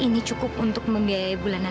ini cukup untuk membiayai bulanan